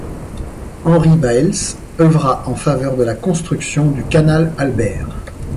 Henri Baels œuvra en faveur de la construction du Canal Albert.